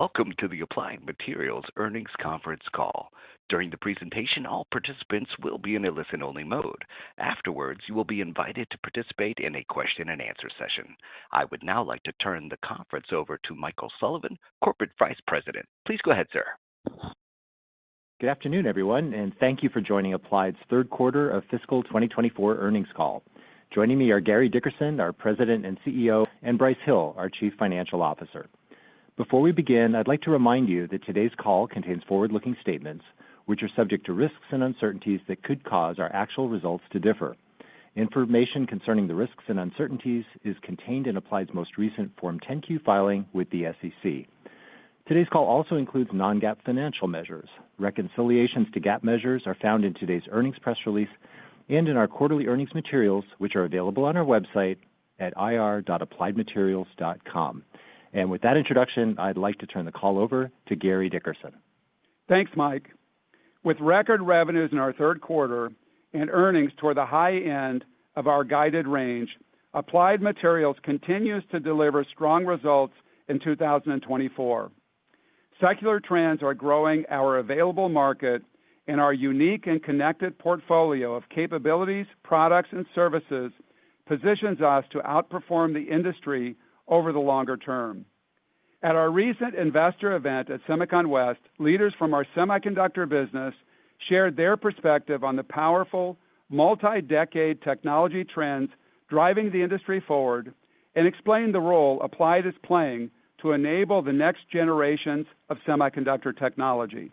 Welcome to the Applied Materials Earnings Conference Call. During the presentation, all participants will be in a listen-only mode. Afterwards, you will be invited to participate in a question-and-answer session. I would now like to turn the conference over to Michael Sullivan, Corporate Vice President. Please go ahead, sir. Good afternoon, everyone, and thank you for joining Applied's third quarter of fiscal 2024 earnings call. Joining me are Gary Dickerson, our President and CEO, and Brice Hill, our Chief Financial Officer. Before we begin, I'd like to remind you that today's call contains forward-looking statements, which are subject to risks and uncertainties that could cause our actual results to differ. Information concerning the risks and uncertainties is contained in Applied's most recent Form 10-Q filing with the SEC. Today's call also includes non-GAAP financial measures. Reconciliations to GAAP measures are found in today's earnings press release and in our quarterly earnings materials, which are available on our website at ir.appliedmaterials.com. With that introduction, I'd like to turn the call over to Gary Dickerson. Thanks, Mike. With record revenues in our third quarter and earnings toward the high end of our guided range, Applied Materials continues to deliver strong results in 2024. Secular trends are growing our available market, and our unique and connected portfolio of capabilities, products, and services positions us to outperform the industry over the longer term. At our recent investor event at SEMICON West, leaders from our semiconductor business shared their perspective on the powerful, multi-decade technology trends driving the industry forward, and explained the role Applied is playing to enable the next generations of semiconductor technology.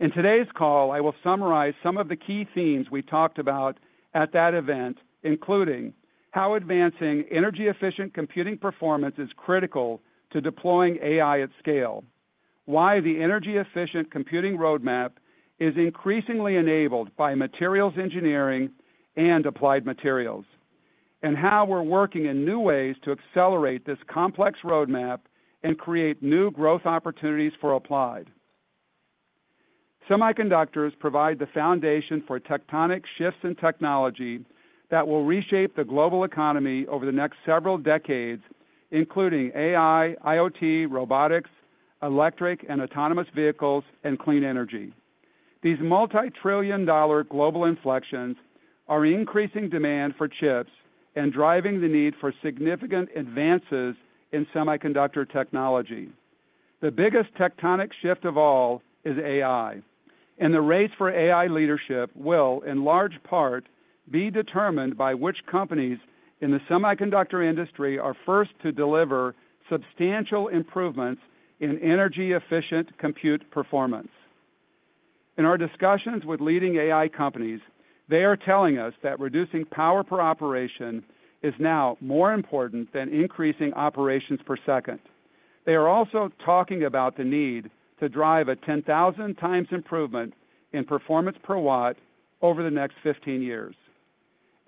In today's call, I will summarize some of the key themes we talked about at that event, including how advancing energy-efficient computing performance is critical to deploying AI at scale, why the energy-efficient computing roadmap is increasingly enabled by materials engineering and Applied Materials, and how we're working in new ways to accelerate this complex roadmap and create new growth opportunities for Applied. semiconductors provide the foundation for tectonic shifts in technology that will reshape the global economy over the next several decades, including AI, IoT, robotics, electric and autonomous vehicles, and clean energy. These multi-trillion-dollar global inflections are increasing demand for chips and driving the need for significant advances in semiconductor technology. The biggest tectonic shift of all is AI, and the race for AI leadership will, in large part, be determined by which companies in the semiconductor industry are first to deliver substantial improvements in energy-efficient compute performance. In our discussions with leading AI companies, they are telling us that reducing power per operation is now more important than increasing operations per second. They are also talking about the need to drive a 10,000 times improvement in performance per watt over the next 15 years.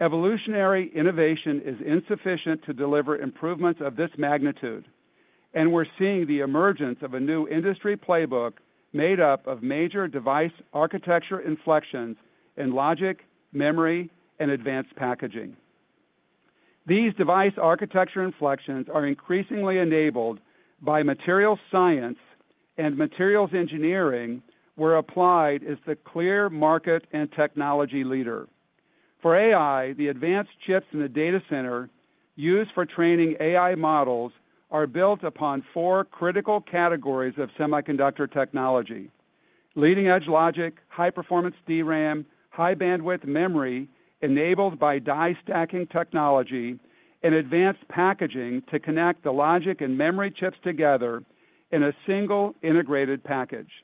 Evolutionary innovation is insufficient to deliver improvements of this magnitude, and we're seeing the emergence of a new industry playbook made up of major device architecture inflections in logic, memory, and advanced packaging. These device architecture inflections are increasingly enabled by materials science and materials engineering, where Applied is the clear market and technology leader. For AI, the advanced chips in the data center used for training AI models are built upon 4 critical categories of semiconductor technology: leading-edge logic, high-performance DRAM, high-bandwidth memory enabled by die-stacking technology, and advanced packaging to connect the logic and memory chips together in a single integrated package.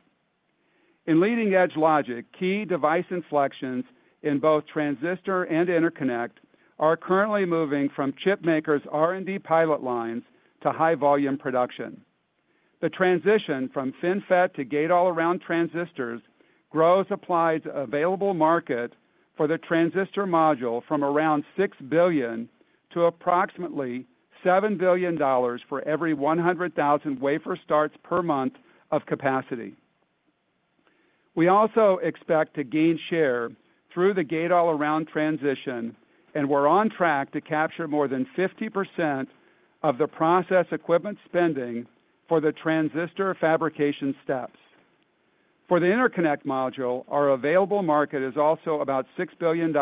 In leading-edge logic, key device inflections in both transistor and interconnect are currently moving from chip makers' R&D pilot lines to high-volume production. The transition from FinFET to gate-all-around transistors grows Applied's available market for the transistor module from around $6 billion to approximately $7 billion for every 100,000 wafer starts per month of capacity. We also expect to gain share through the gate-all-around transition, and we're on track to capture more than 50% of the process equipment spending for the transistor fabrication steps. For the interconnect module, our available market is also about $6 billion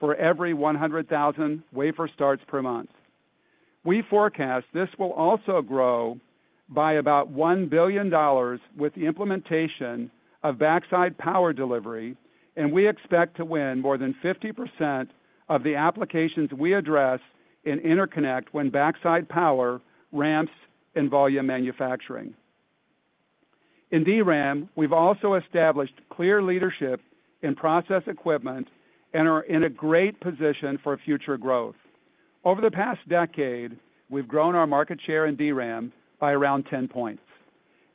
for every 100,000 wafer starts per month. We forecast this will also grow by about $1 billion with the implementation of backside power delivery, and we expect to win more than 50% of the applications we address in interconnect when backside power ramps in volume manufacturing. In DRAM, we've also established clear leadership in process equipment and are in a great position for future growth. Over the past decade, we've grown our market share in DRAM by around 10 points.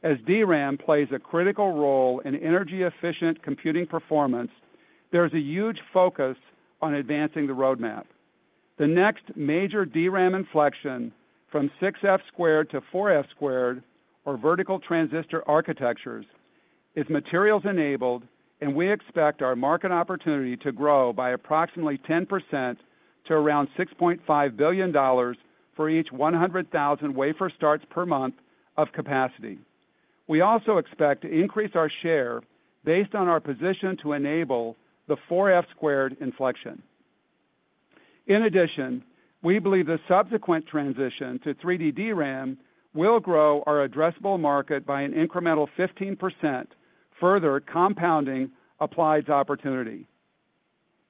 As DRAM plays a critical role in energy-efficient computing performance, there's a huge focus on advancing the roadmap. The next major DRAM inflection from6F^2 to 4F ^2, or vertical transistor architectures-... is materials-enabled, and we expect our market opportunity to grow by approximately 10% to around $6.5 billion for each 100,000 wafer starts per month of capacity. We also expect to increase our share based on our position to enable the 4F² inflection. In addition, we believe the subsequent transition to 3D DRAM will grow our addressable market by an incremental 15%, further compounding Applied's opportunity.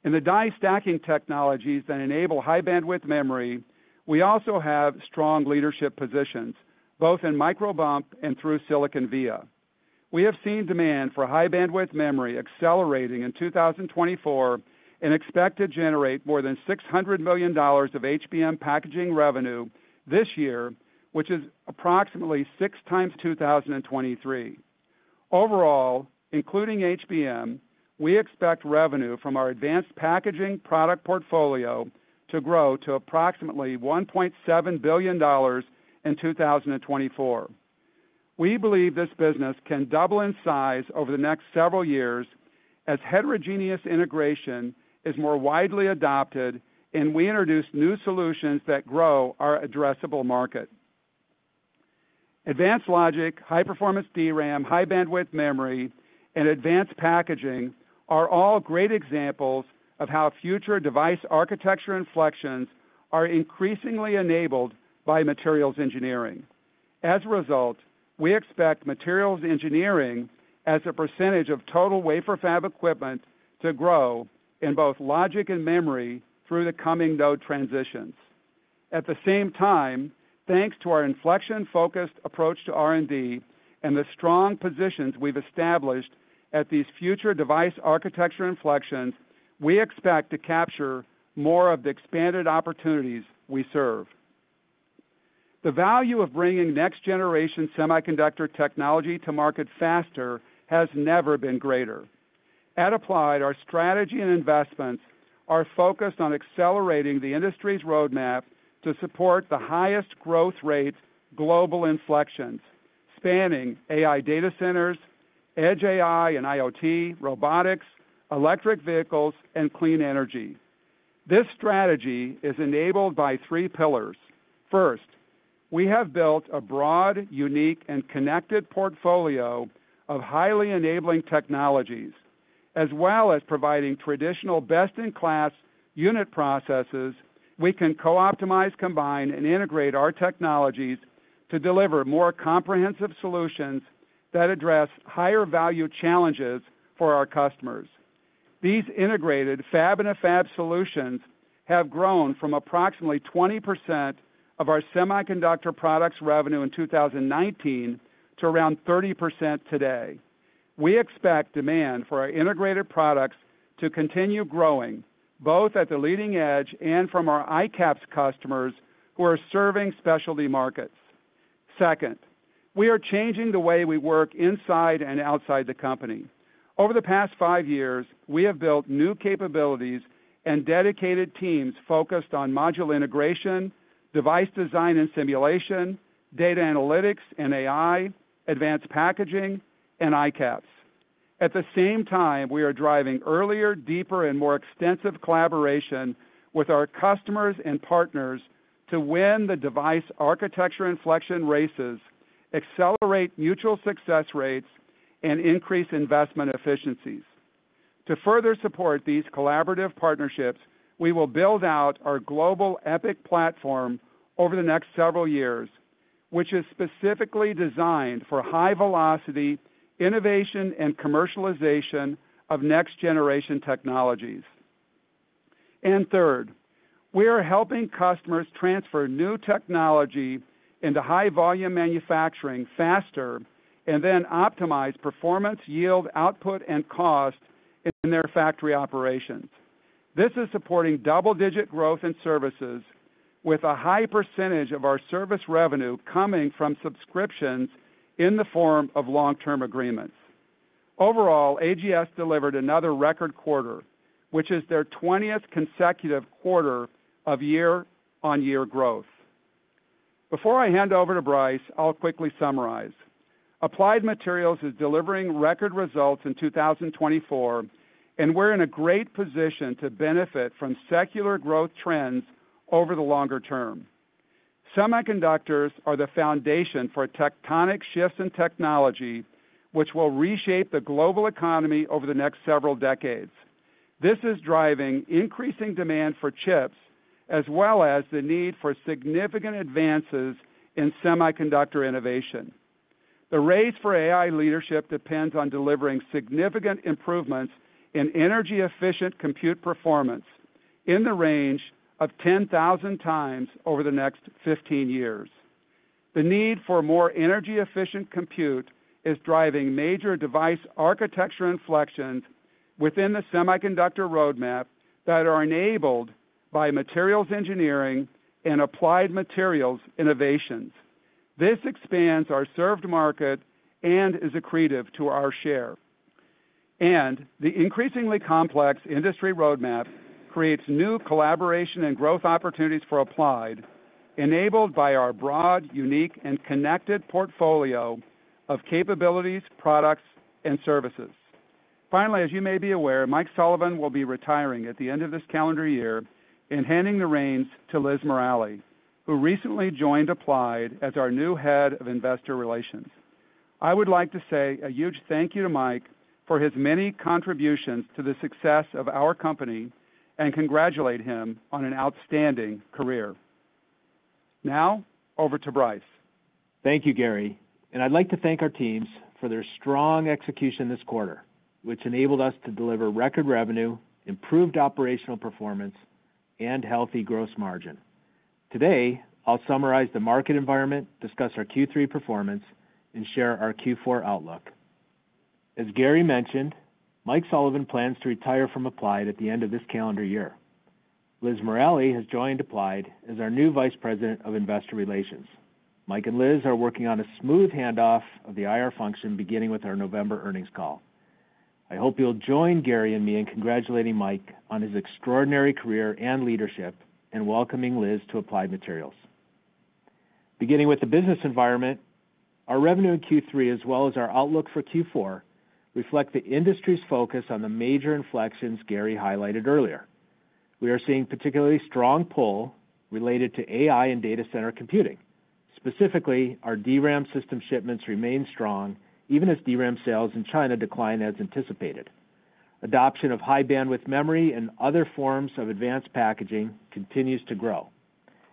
In the die-stacking technologies that enable high-bandwidth memory, we also have strong leadership positions, both in microbump and through-silicon via. We have seen demand for high-bandwidth memory accelerating in 2024, and expect to generate more than $600 million of HBM packaging revenue this year, which is approximately 6 times 2023. Overall, including HBM, we expect revenue from our advanced packaging product portfolio to grow to approximately $1.7 billion in 2024. We believe this business can double in size over the next several years as heterogeneous integration is more widely adopted, and we introduce new solutions that grow our addressable market. Advanced logic, high-performance DRAM, high-bandwidth memory, and advanced packaging are all great examples of how future device architecture inflections are increasingly enabled by materials engineering. As a result, we expect materials engineering as a percentage of total wafer fab equipment, to grow in both logic and memory through the coming node transitions. At the same time, thanks to our inflection-focused approach to R&D and the strong positions we've established at these future device architecture inflections, we expect to capture more of the expanded opportunities we serve. The value of bringing next-generation semiconductor technology to market faster has never been greater. At Applied, our strategy and investments are focused on accelerating the industry's roadmap to support the highest growth rates global inflections, spanning AI data centers, edge AI and IoT, robotics, electric vehicles, and clean energy. This strategy is enabled by three pillars. First, we have built a broad, unique, and connected portfolio of highly enabling technologies. As well as providing traditional best-in-class unit processes, we can co-optimize, combine, and integrate our technologies to deliver more comprehensive solutions that address higher-value challenges for our customers. These integrated fab-in-a-fab solutions have grown from approximately 20% of our semiconductor products revenue in 2019, to around 30% today. We expect demand for our integrated products to continue growing, both at the leading edge and from our ICAPS customers who are serving specialty markets. Second, we are changing the way we work inside and outside the company. Over the past five years, we have built new capabilities and dedicated teams focused on module integration, device design and simulation, data analytics and AI, advanced packaging, and ICAPS. At the same time, we are driving earlier, deeper, and more extensive collaboration with our customers and partners to win the device architecture inflection races, accelerate mutual success rates, and increase investment efficiencies. To further support these collaborative partnerships, we will build out our global EPIC platform over the next several years, which is specifically designed for high velocity, innovation, and commercialization of next-generation technologies. And third, we are helping customers transfer new technology into high-volume manufacturing faster, and then optimize performance, yield, output, and cost in their factory operations. This is supporting double-digit growth in services, with a high percentage of our service revenue coming from subscriptions in the form of long-term agreements. Overall, AGS delivered another record quarter, which is their twentieth consecutive quarter of year-on-year growth. Before I hand over to Bryce, I'll quickly summarize. Applied Materials is delivering record results in 2024, and we're in a great position to benefit from secular growth trends over the longer term. semiconductors are the foundation for tectonic shifts in technology, which will reshape the global economy over the next several decades. This is driving increasing demand for chips, as well as the need for significant advances in semiconductor innovation. The race for AI leadership depends on delivering significant improvements in energy-efficient compute performance in the range of 10,000 times over the next 15 years. The need for more energy-efficient compute is driving major device architecture inflections within the semiconductor roadmap that are enabled by materials engineering and Applied Materials innovations. This expands our served market and is accretive to our share.... The increasingly complex industry roadmap creates new collaboration and growth opportunities for Applied, enabled by our broad, unique, and connected portfolio of capabilities, products, and services. Finally, as you may be aware, Mike Sullivan will be retiring at the end of this calendar year and handing the reins to Liz Morali, who recently joined Applied as our new head of Investor Relations. I would like to say a huge thank you to Mike for his many contributions to the success of our company, and congratulate him on an outstanding career. Now, over to Bryce. Thank you, Gary, and I'd like to thank our teams for their strong execution this quarter, which enabled us to deliver record revenue, improved operational performance, and healthy gross margin. Today, I'll summarize the market environment, discuss our Q3 performance, and share our Q4 outlook. As Gary mentioned, Mike Sullivan plans to retire from Applied at the end of this calendar year. Liz Morali has joined Applied as our new Vice President of Investor Relations. Mike and Liz are working on a smooth handoff of the IR function, beginning with our November earnings call. I hope you'll join Gary and me in congratulating Mike on his extraordinary career and leadership, and welcoming Liz to Applied Materials. Beginning with the business environment, our revenue in Q3, as well as our outlook for Q4, reflect the industry's focus on the major inflections Gary highlighted earlier. We are seeing particularly strong pull related to AI and data center computing. Specifically, our DRAM system shipments remain strong, even as DRAM sales in China decline as anticipated. Adoption of high-bandwidth memory and other forms of advanced packaging continues to grow.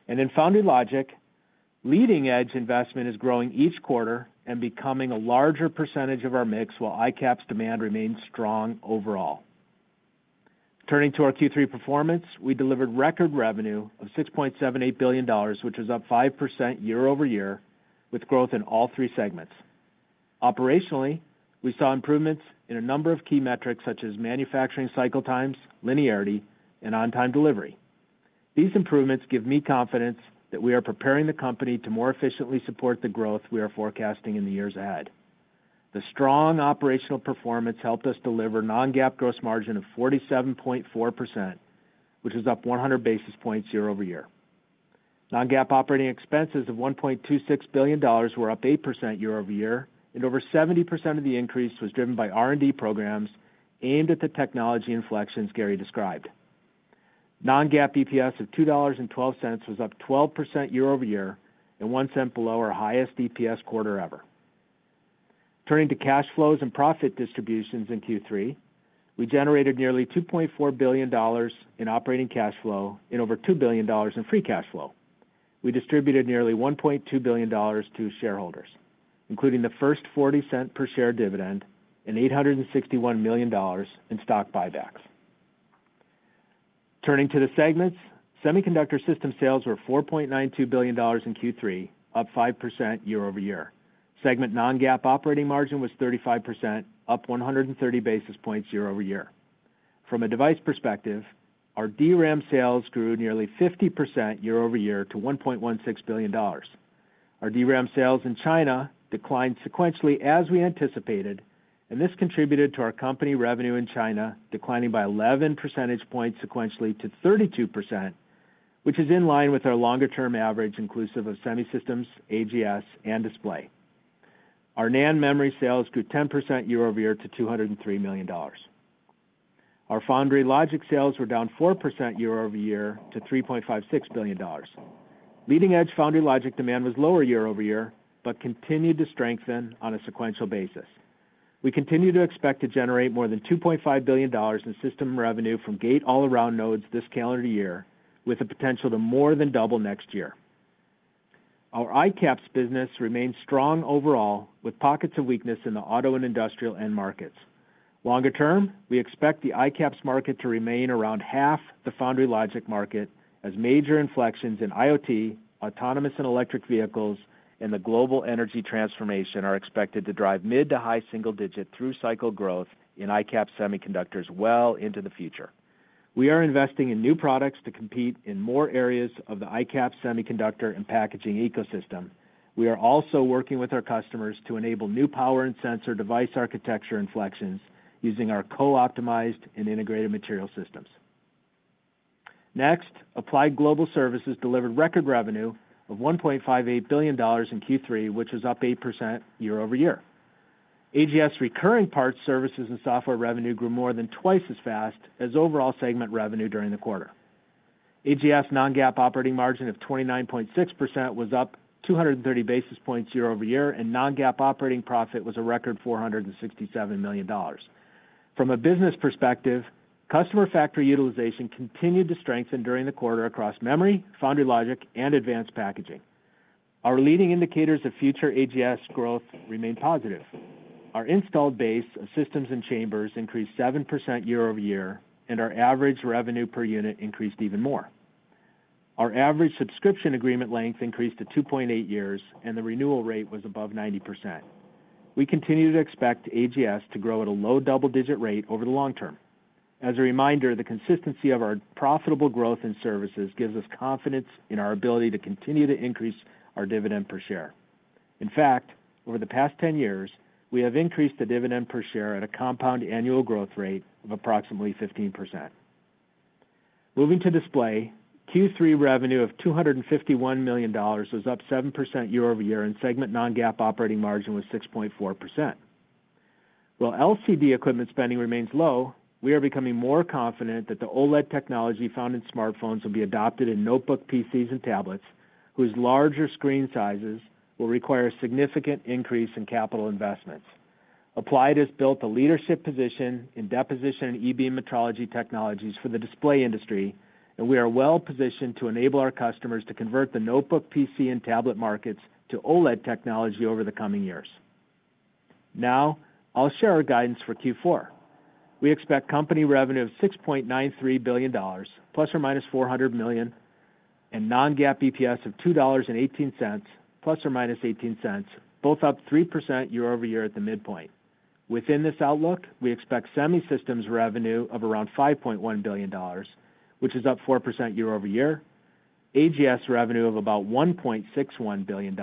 In Foundry Logic, leading-edge investment is growing each quarter and becoming a larger percentage of our mix, while ICAPS demand remains strong overall. Turning to our Q3 performance, we delivered record revenue of $6.78 billion, which is up 5% year-over-year, with growth in all three segments. Operationally, we saw improvements in a number of key metrics, such as manufacturing cycle times, linearity, and on-time delivery. These improvements give me confidence that we are preparing the company to more efficiently support the growth we are forecasting in the years ahead. The strong operational performance helped us deliver non-GAAP gross margin of 47.4%, which is up 100 basis points year-over-year. Non-GAAP operating expenses of $1.26 billion were up 8% year-over-year, and over 70% of the increase was driven by R&D programs aimed at the technology inflections Gary described. Non-GAAP EPS of $2.12 was up 12% year-over-year, and $0.01 below our highest EPS quarter ever. Turning to cash flows and profit distributions in Q3, we generated nearly $2.4 billion in operating cash flow and over $2 billion in free cash flow. We distributed nearly $1.2 billion to shareholders, including the first 40-cent per share dividend and $861 million in stock buybacks. Turning to the segments, semiconductor systems sales were $4.92 billion in Q3, up 5% year-over-year. Segment non-GAAP operating margin was 35%, up 130 basis points year-over-year. From a device perspective, our DRAM sales grew nearly 50% year-over-year to $1.16 billion. Our DRAM sales in China declined sequentially as we anticipated, and this contributed to our company revenue in China, declining by 11 percentage points sequentially to 32%, which is in line with our longer-term average, inclusive of Semi Systems, AGS, and Display. Our NAND memory sales grew 10% year-over-year to $203 million. Our Foundry Logic sales were down 4% year-over-year to $3.56 billion. Leading-edge Foundry Logic demand was lower year over year, but continued to strengthen on a sequential basis. We continue to expect to generate more than $2.5 billion in system revenue from gate-all-around nodes this calendar year, with the potential to more than double next year. Our ICAPS business remains strong overall, with pockets of weakness in the auto and industrial end markets. Longer term, we expect the ICAPS market to remain around half the Foundry Logic market, as major inflections in IoT, autonomous and electric vehicles, and the global energy transformation are expected to drive mid- to high-single-digit through-cycle growth in ICAPS semiconductors well into the future. We are investing in new products to compete in more areas of the ICAPS semiconductor and packaging ecosystem. We are also working with our customers to enable new power and sensor device architecture inflections using our co-optimized and integrated material systems. Next, Applied Global Services delivered record revenue of $1.58 billion in Q3, which is up 8% year-over-year. AGS recurring parts, services, and software revenue grew more than twice as fast as overall segment revenue during the quarter. AGS non-GAAP operating margin of 29.6% was up 230 basis points year-over-year, and non-GAAP operating profit was a record $467 million. From a business perspective, customer factory utilization continued to strengthen during the quarter across memory, foundry logic, and advanced packaging. Our leading indicators of future AGS growth remain positive. Our installed base of systems and chambers increased 7% year-over-year, and our average revenue per unit increased even more. Our average subscription agreement length increased to 2.8 years, and the renewal rate was above 90%. We continue to expect AGS to grow at a low double-digit rate over the long term. As a reminder, the consistency of our profitable growth in services gives us confidence in our ability to continue to increase our dividend per share. In fact, over the past 10 years, we have increased the dividend per share at a compound annual growth rate of approximately 15%. Moving to display, Q3 revenue of $251 million was up 7% year-over-year, and segment non-GAAP operating margin was 6.4%. While LCD equipment spending remains low, we are becoming more confident that the OLED technology found in smartphones will be adopted in notebook PCs and tablets, whose larger screen sizes will require a significant increase in capital investments. Applied has built a leadership position in deposition and e-beam metrology technologies for the display industry, and we are well-positioned to enable our customers to convert the notebook PC and tablet markets to OLED technology over the coming years. Now, I'll share our guidance for Q4. We expect company revenue of $6.93 billion ± $400 million, and non-GAAP EPS of $2.18 ± $0.18, both up 3% year-over-year at the midpoint. Within this outlook, we expect Semi Systems revenue of around $5.1 billion, which is up 4% year-over-year, AGS revenue of about $1.61 billion,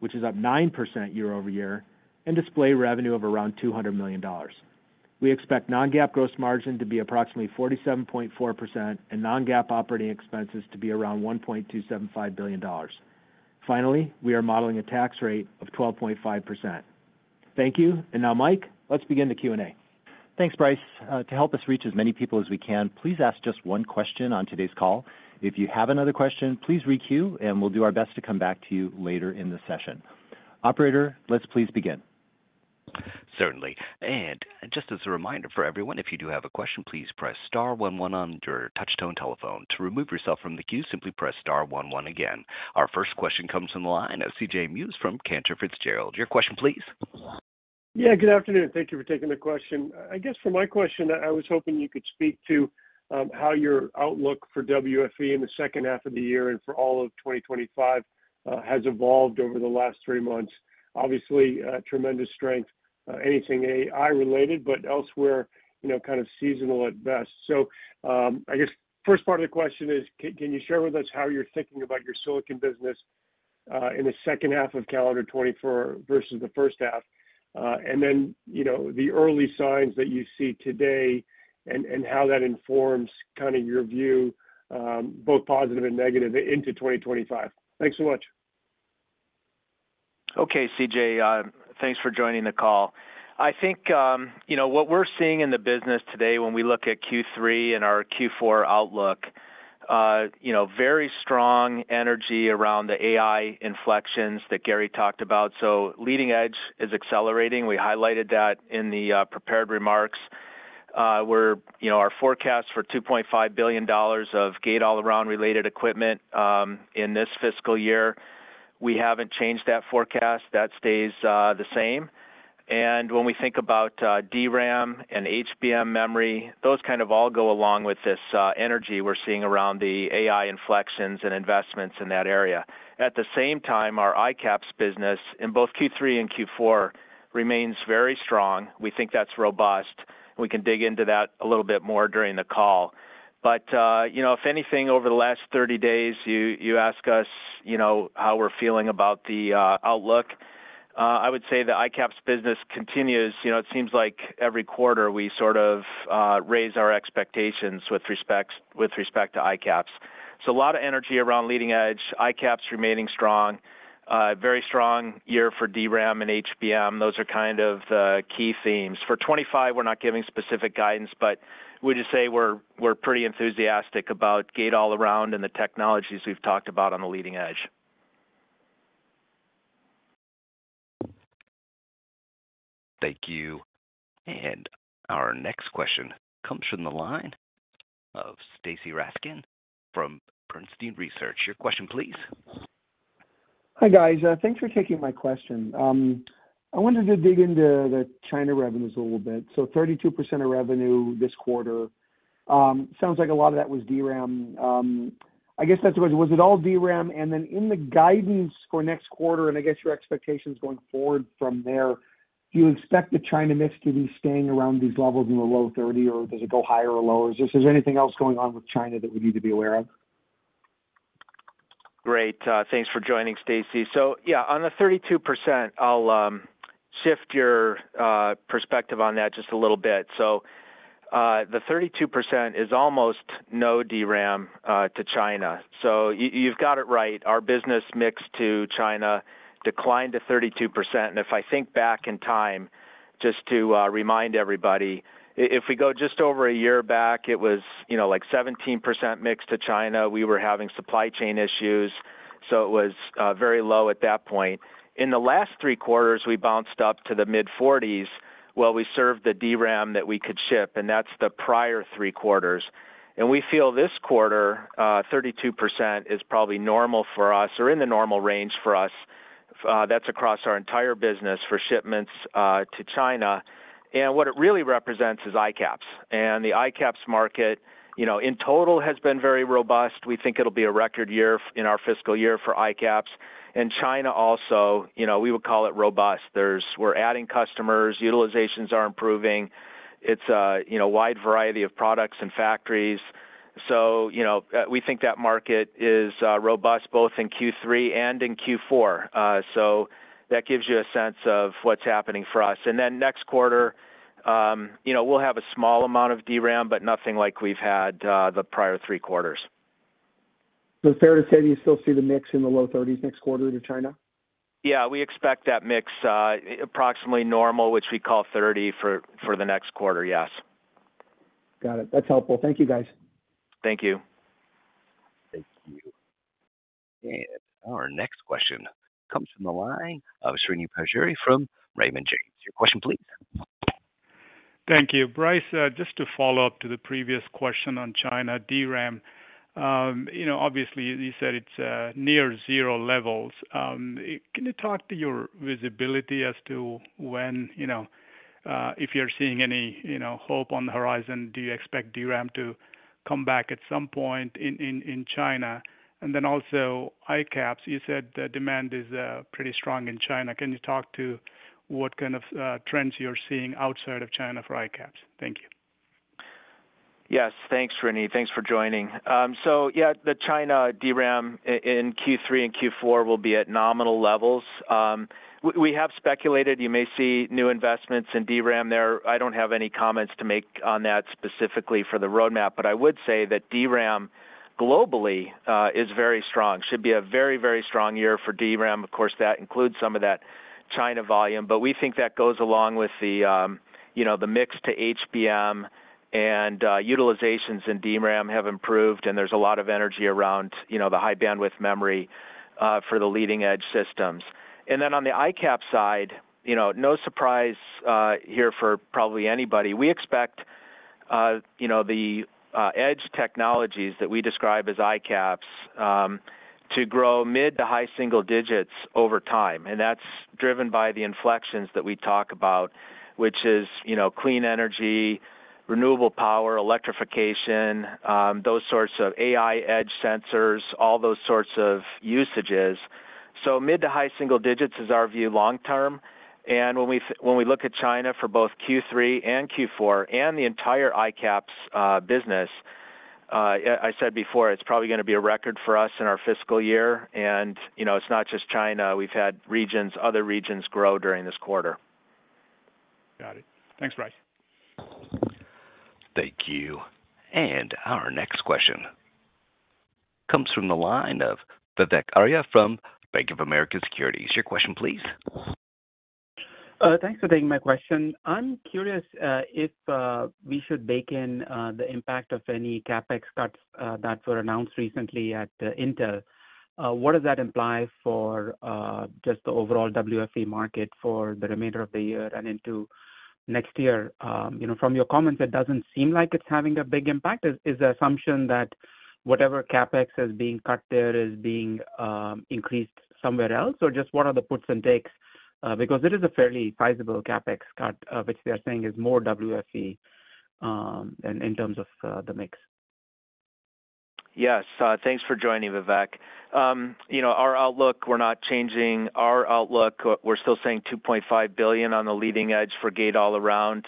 which is up 9% year-over-year, and display revenue of around $200 million. We expect non-GAAP gross margin to be approximately 47.4% and non-GAAP operating expenses to be around $1.275 billion. Finally, we are modeling a tax rate of 12.5%. Thank you. And now, Mike, let's begin the Q&A. Thanks, Bryce. To help us reach as many people as we can, please ask just one question on today's call. If you have another question, please re-queue, and we'll do our best to come back to you later in the session. Operator, let's please begin. Certainly. Just as a reminder for everyone, if you do have a question, please press star one one on your touchtone telephone. To remove yourself from the queue, simply press star one one again. Our first question comes from the line of CJ Muse from Cantor Fitzgerald. Your question, please. Yeah, good afternoon. Thank you for taking the question. I guess for my question, I was hoping you could speak to how your outlook for WFE in the second half of the year and for all of 2025 has evolved over the last three months. Obviously, a tremendous strength anything AI related, but elsewhere, you know, kind of seasonal at best. So, I guess, first part of the question is, can you share with us how you're thinking about your silicon business in the second half of calendar 2024 versus the first half? And then, you know, the early signs that you see today and how that informs kind of your view both positive and negative into 2025. Thanks so much. Okay, CJ, thanks for joining the call. I think, you know, what we're seeing in the business today when we look at Q3 and our Q4 outlook, you know, very strong energy around the AI inflections that Gary talked about. So leading edge is accelerating. We highlighted that in the prepared remarks. We're, you know, our forecast for $2.5 billion of gate-all-around related equipment in this fiscal year; we haven't changed that forecast. That stays the same. And when we think about DRAM and HBM memory, those kind of all go along with this energy we're seeing around the AI inflections and investments in that area. At the same time, our ICAPS business in both Q3 and Q4 remains very strong. We think that's robust, and we can dig into that a little bit more during the call. But, you know, if anything, over the last 30 days, you, you ask us, you know, how we're feeling about the, outlook, I would say the ICAPS business continues. You know, it seems like every quarter, we sort of, raise our expectations with respects- with respect to ICAPS. So a lot of energy around leading edge, ICAPS remaining strong, very strong year for DRAM and HBM. Those are kind of the key themes. For 2025, we're not giving specific guidance, but we just say we're, we're pretty enthusiastic about gate-all-around and the technologies we've talked about on the leading edge. Thank you. And our next question comes from the line of Stacy Rasgon from Bernstein Research. Your question, please. Hi, guys. Thanks for taking my question. I wanted to dig into the China revenues a little bit. So 32% of revenue this quarter sounds like a lot of that was DRAM. I guess that's right. Was it all DRAM? And then in the guidance for next quarter, and I guess your expectations going forward from there, do you expect the China mix to be staying around these levels in the low 30, or does it go higher or lower? Is there anything else going on with China that we need to be aware of? Great. Thanks for joining, Stacy. So yeah, on the 32%, I'll shift your perspective on that just a little bit. So, the 32% is almost no DRAM to China. So you've got it right. Our business mix to China declined to 32%. And if I think back in time, just to remind everybody, if we go just over a year back, it was, you know, like 17% mix to China. We were having supply chain issues, so it was very low at that point. In the last three quarters, we bounced up to the mid-40s, while we served the DRAM that we could ship, and that's the prior three quarters. And we feel this quarter, 32% is probably normal for us or in the normal range for us. That's across our entire business for shipments to China. And what it really represents is ICAPS. And the ICAPS market, you know, in total, has been very robust. We think it'll be a record year in our fiscal year for ICAPS. And China also, you know, we would call it robust. We're adding customers, utilizations are improving. It's a you know, wide variety of products and factories. So, you know, we think that market is robust, both in Q3 and in Q4. So that gives you a sense of what's happening for us. And then next quarter, you know, we'll have a small amount of DRAM, but nothing like we've had the prior three quarters. Fair to say that you still see the mix in the low thirties next quarter to China? Yeah, we expect that mix, approximately normal, which we call 30 for the next quarter, yes. Got it. That's helpful. Thank you, guys. Thank you. Thank you. Our next question comes from the line of Srini Pajjuri from Raymond James. Your question please. Thank you. Bryce, just to follow up to the previous question on China, DRAM. You know, obviously, you said it's near zero levels. Can you talk to your visibility as to when, you know, if you're seeing any, you know, hope on the horizon? Do you expect DRAM to come back at some point in, in, in China? And then also, ICAPS, you said the demand is pretty strong in China. Can you talk to what kind of trends you're seeing outside of China for ICAPS? Thank you. Yes, thanks, Srini. Thanks for joining. So yeah, the China DRAM in Q3 and Q4 will be at nominal levels. We have speculated you may see new investments in DRAM there. I don't have any comments to make on that specifically for the roadmap, but I would say that DRAM, globally, is very strong. Should be a very, very strong year for DRAM. Of course, that includes some of that China volume, but we think that goes along with the, you know, the mix to HBM and, utilizations in DRAM have improved, and there's a lot of energy around, you know, the high bandwidth memory, for the leading-edge systems. And then on the ICAPS side, you know, no surprise, here for probably anybody. We expect, you know, the edge technologies that we describe as ICAPS, to grow mid- to high-single digits over time, and that's driven by the inflections that we talk about, which is, you know, clean energy, renewable power, electrification, those sorts of AI edge sensors, all those sorts of usages. So mid- to high-single digits is our view long term. And when we look at China for both Q3 and Q4 and the entire ICAPS business, I said before, it's probably gonna be a record for us in our fiscal year. And, you know, it's not just China. We've had regions, other regions grow during this quarter. Got it. Thanks, Bryce. Thank you. Our next question comes from the line of Vivek Arya from Bank of America Securities. Your question please. Thanks for taking my question. I'm curious if we should bake in the impact of any CapEx cuts that were announced recently at Intel. What does that imply for just the overall WFE market for the remainder of the year and into next year? You know, from your comments, it doesn't seem like it's having a big impact. Is the assumption that whatever CapEx is being cut there is being increased somewhere else? Or just what are the puts and takes? Because it is a fairly sizable CapEx cut, which they're saying is more WFE in terms of the mix. Yes. Thanks for joining, Vivek. You know, our outlook, we're not changing our outlook. We're still saying $2.5 billion on the leading edge for gate-all-around,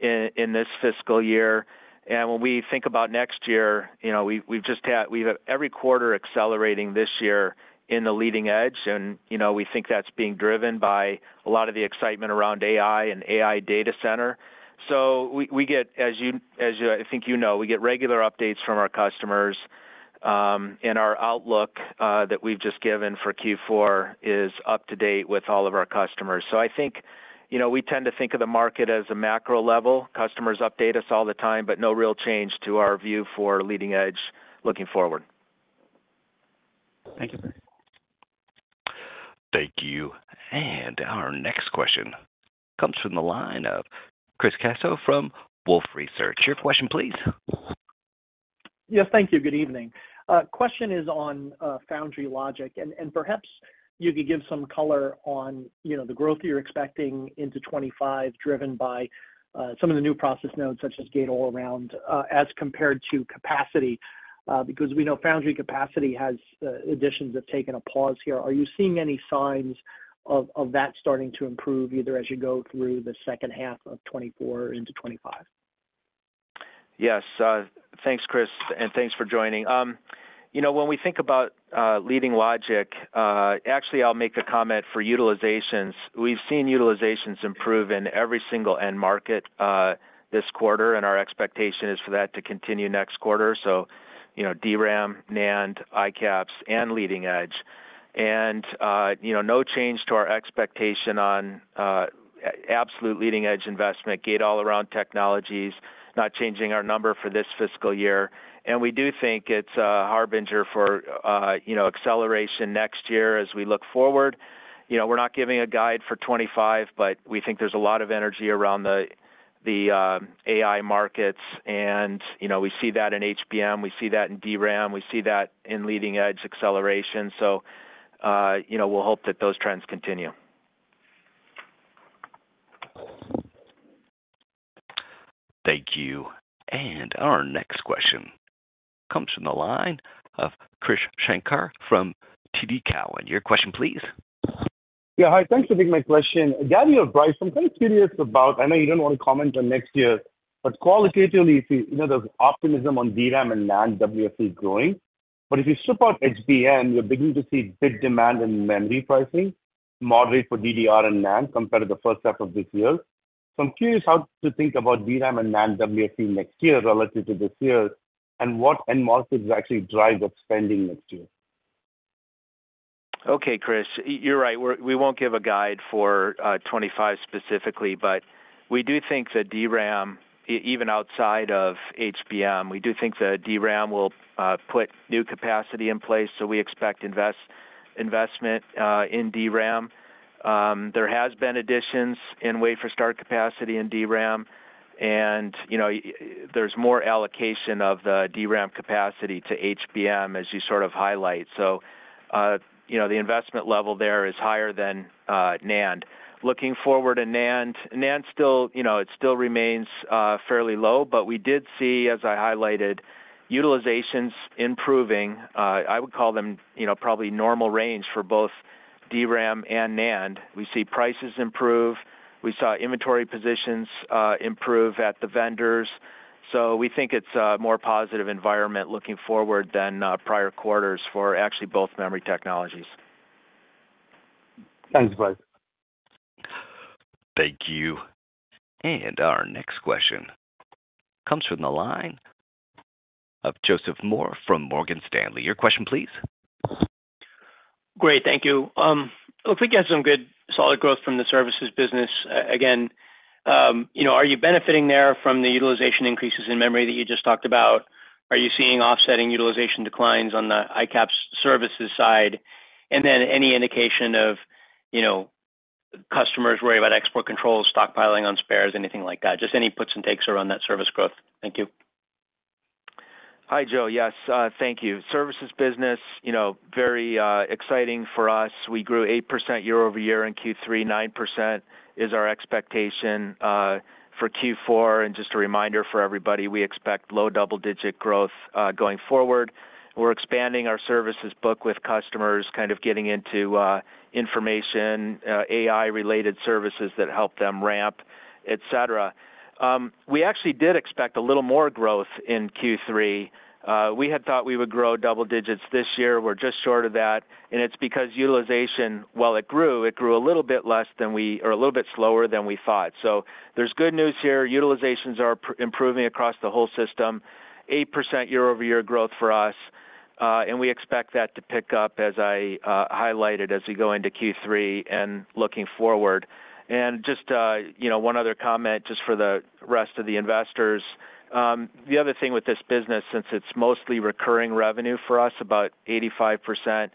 in this fiscal year. And when we think about next year, you know, we've just had every quarter accelerating this year in the leading edge, and, you know, we think that's being driven by a lot of the excitement around AI and AI data center. So we get, as you, as you, I think you know, we get regular updates from our customers, and our outlook that we've just given for Q4 is up to date with all of our customers. So I think, you know, we tend to think of the market as a macro level. Customers update us all the time, but no real change to our view for leading edge looking forward. Thank you. Thank you. And our next question comes from the line of Chris Caso from Wolfe Research. Your question please. Yes, thank you, good evening. Question is on foundry logic, and perhaps you could give some color on, you know, the growth you're expecting into 2025, driven by some of the new process nodes, such as gate-all-around, as compared to capacity, because we know foundry capacity additions have taken a pause here. Are you seeing any signs of that starting to improve, either as you go through the second half of 2024 into 2025? Yes, thanks, Chris, and thanks for joining. You know, when we think about leading logic, actually, I'll make a comment for utilizations. We've seen utilizations improve in every single end market, this quarter, and our expectation is for that to continue next quarter. So, you know, DRAM, NAND, ICAPS and Leading Edge. You know, no change to our expectation on absolute leading logic investment, gate-all-around technologies, not changing our number for this fiscal year. And we do think it's a harbinger for, you know, acceleration next year as we look forward. You know, we're not giving a guide for 25, but we think there's a lot of energy around the AI markets and, you know, we see that in HBM, we see that in DRAM, we see that in leading edge acceleration, so, you know, we'll hope that those trends continue. Thank you. And our next question comes from the line of Krish Sankar from TD Cowen. Your question, please. Yeah, hi. Thanks for taking my question. Gary or Bryce, I'm kind of curious about—I know you don't want to comment on next year, but qualitatively, you see, you know, there's optimism on DRAM and NAND WFE growing. But if you strip out HBM, you're beginning to see big demand in memory pricing, moderate for DDR and NAND compared to the first half of this year. So I'm curious how to think about DRAM and NAND WFE next year relative to this year, and what end markets actually drive the spending next year? Okay, Chris, you're right. We won't give a guide for 25 specifically, but we do think that DRAM, even outside of HBM, we do think that DRAM will put new capacity in place, so we expect investment in DRAM. There has been additions in wafer start capacity in DRAM, and, you know, there's more allocation of the DRAM capacity to HBM, as you sort of highlight. So, you know, the investment level there is higher than NAND. Looking forward to NAND, NAND still, you know, it still remains fairly low, but we did see, as I highlighted, utilizations improving. I would call them, you know, probably normal range for both DRAM and NAND. We see prices improve. We saw inventory positions improve at the vendors, so we think it's a more positive environment looking forward than prior quarters for actually both memory technologies. Thanks, Bryce. Thank you. Our next question comes from the line of Joseph Moore from Morgan Stanley. Your question, please. Great, thank you. Looks like you had some good, solid growth from the services business. Again, you know, are you benefiting there from the utilization increases in memory that you just talked about? Are you seeing offsetting utilization declines on the ICAPS services side? And then any indication of, you know, customers worry about export controls, stockpiling on spares, anything like that? Just any puts and takes around that service growth. Thank you. Hi, Joe. Yes, thank you. Services business, you know, very exciting for us. We grew 8% year-over-year in Q3. 9% is our expectation for Q4. And just a reminder for everybody, we expect low double-digit growth going forward. We're expanding our services book with customers, kind of getting into AI-related services that help them ramp, et cetera. We actually did expect a little more growth in Q3. We had thought we would grow double digits this year. We're just short of that, and it's because utilization, while it grew, it grew a little bit less than we or a little bit slower than we thought. So there's good news here. Utilizations are improving across the whole system, 8% year-over-year growth for us, and we expect that to pick up, as I highlighted, as we go into Q3 and looking forward. And just, you know, one other comment, just for the rest of the investors. The other thing with this business, since it's mostly recurring revenue for us, about 85%,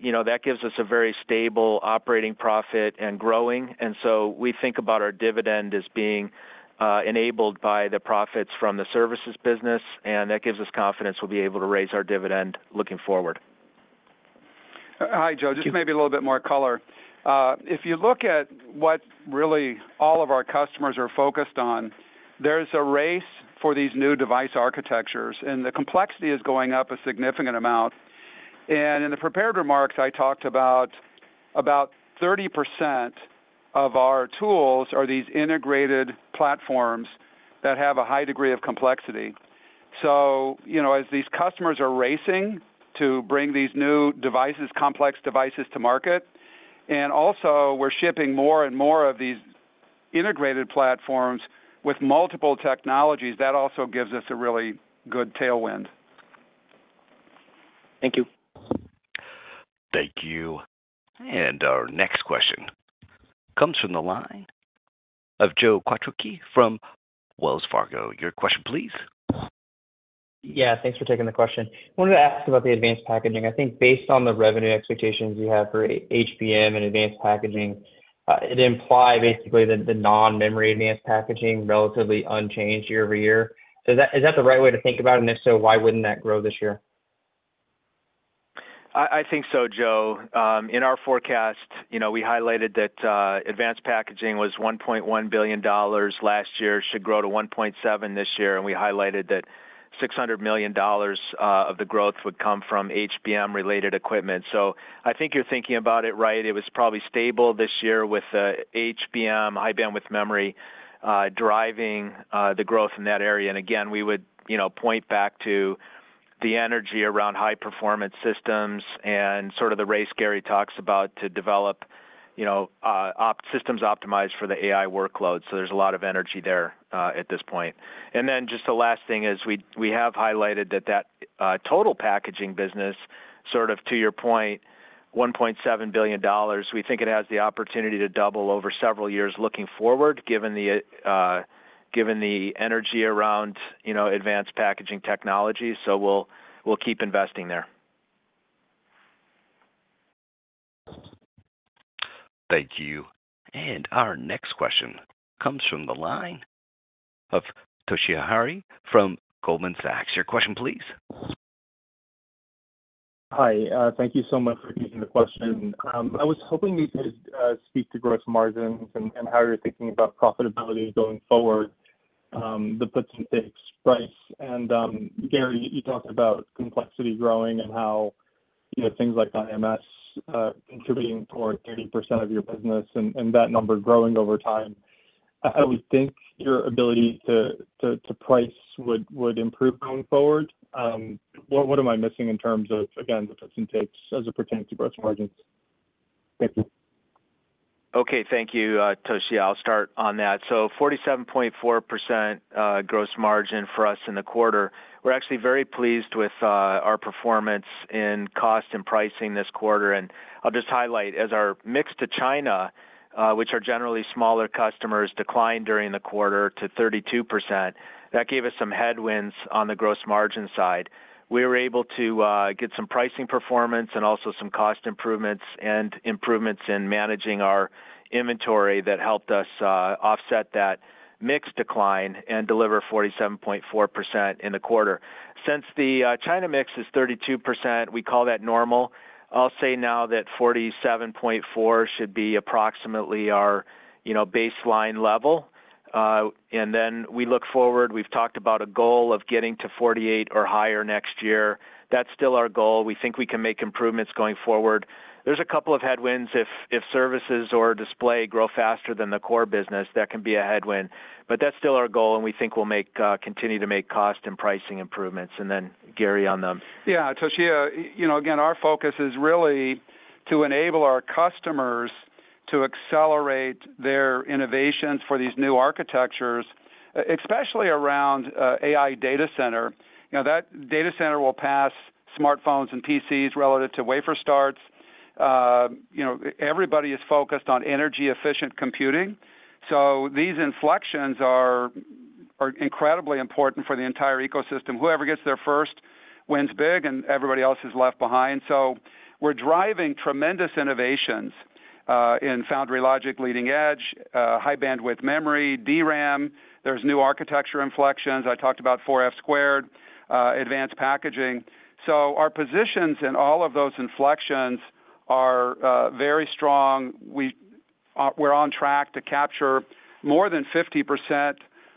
you know, that gives us a very stable operating profit and growing. And so we think about our dividend as being enabled by the profits from the services business, and that gives us confidence we'll be able to raise our dividend looking forward. Hi, Joe. Just maybe a little bit more color. If you look at what really all of our customers are focused on, there's a race for these new device architectures, and the complexity is going up a significant amount. And in the prepared remarks, I talked about 30% of our tools are these integrated platforms that have a high degree of complexity. So, you know, as these customers are racing to bring these new devices, complex devices to market, and also we're shipping more and more of these integrated platforms with multiple technologies, that also gives us a really good tailwind. Thank you. Thank you. Our next question comes from the line of Joe Quatrochi from Wells Fargo. Your question, please. Yeah, thanks for taking the question. I wanted to ask about the Advanced Packaging. I think based on the revenue expectations you have for HBM and Advanced Packaging, it imply basically that the non-memory Advanced Packaging, relatively unchanged year over year. So is that, is that the right way to think about it? And if so, why wouldn't that grow this year? I think so, Joe. In our forecast, you know, we highlighted that advanced packaging was $1.1 billion last year, should grow to $1.7 billion this year, and we highlighted that $600 million of the growth would come from HBM-related equipment. So I think you're thinking about it right. It was probably stable this year with HBM, high-bandwidth memory, driving the growth in that area. And again, we would, you know, point back to the energy around high-performance systems and sort of the race Gary talks about to develop, you know, optimized systems for the AI workload. So there's a lot of energy there at this point. Just the last thing is, we have highlighted that total packaging business, sort of to your point, $1.7 billion, we think it has the opportunity to double over several years looking forward, given the energy around, you know, advanced packaging technology. So we'll keep investing there. Thank you. Our next question comes from the line of Toshiya Hari from Goldman Sachs. Your question, please?... Hi, thank you so much for taking the question. I was hoping you could speak to gross margins and how you're thinking about profitability going forward, the puts and takes, price. And, Gary, you talked about complexity growing and how, you know, things like IMS contributing toward 30% of your business and that number growing over time. How we think your ability to price would improve going forward. What am I missing in terms of, again, the puts and takes as it pertains to gross margins? Thank you. Okay, thank you, Toshiya, I'll start on that. So 47.4%, gross margin for us in the quarter. We're actually very pleased with our performance in cost and pricing this quarter, and I'll just highlight, as our mix to China, which are generally smaller customers, declined during the quarter to 32%, that gave us some headwinds on the gross margin side. We were able to get some pricing performance and also some cost improvements and improvements in managing our inventory that helped us offset that mix decline and deliver 47.4% in the quarter. Since the China mix is 32%, we call that normal. I'll say now that 47.4 should be approximately our, you know, baseline level. And then we look forward, we've talked about a goal of getting to 48 or higher next year. That's still our goal. We think we can make improvements going forward. There's a couple of headwinds, if services or display grow faster than the core business, that can be a headwind, but that's still our goal, and we think we'll make, continue to make cost and pricing improvements. And then Gary, on the- Yeah, Toshiya, you know, again, our focus is really to enable our customers to accelerate their innovations for these new architectures, especially around AI data center. You know, that data center will pass smartphones and PCs relative to wafer starts. You know, everybody is focused on energy-efficient computing, so these inflections are incredibly important for the entire ecosystem. Whoever gets there first, wins big and everybody else is left behind. So we're driving tremendous innovations in foundry logic, leading edge, high bandwidth memory, DRAM. There's new architecture inflections. I talked about four F squared, advanced packaging. So our positions in all of those inflections are very strong. We, we're on track to capture more than 50%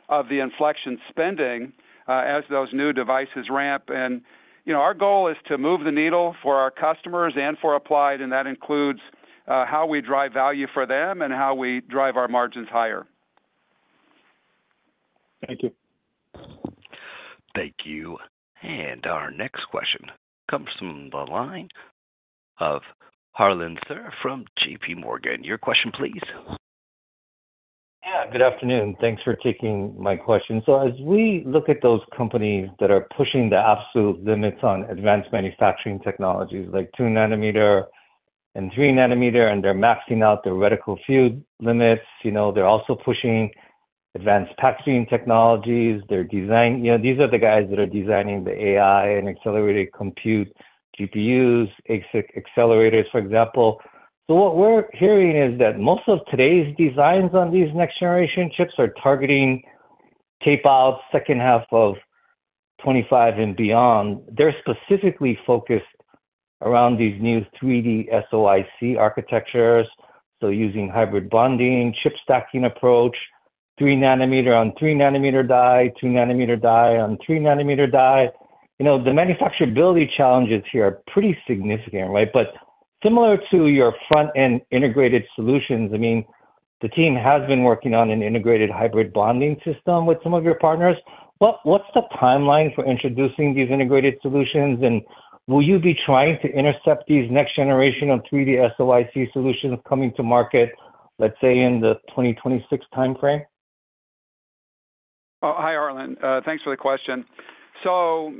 of the inflection spending as those new devices ramp, and, you know, our goal is to move the needle for our customers and for Applied, and that includes how we drive value for them and how we drive our margins higher. Thank you. Thank you. Our next question comes from the line of Harlan Sur from J.P. Morgan. Your question, please. Yeah, good afternoon. Thanks for taking my question. So as we look at those companies that are pushing the absolute limits on advanced manufacturing technologies, like 2 nanometer and 3 nanometer, and they're maxing out their reticle field limits, you know, they're also pushing advanced packaging technologies. They're designing. You know, these are the guys that are designing the AI and accelerated compute, GPUs, accelerators, for example. So what we're hearing is that most of today's designs on these next generation chips are targeting tape out, second half of 2025 and beyond. They're specifically focused around these new 3D SoIC architectures, so using hybrid bonding, chip stacking approach, 3 nanometer on 3 nanometer die, 2 nanometer die on 3 nanometer die. You know, the manufacturability challenges here are pretty significant, right? But similar to your front-end integrated solutions, I mean, the team has been working on an integrated hybrid bonding system with some of your partners. What, what's the timeline for introducing these integrated solutions? And will you be trying to intercept these next generation of 3D SoIC solutions coming to market, let's say, in the 2026 timeframe? Oh, hi, Harlan. Thanks for the question. So,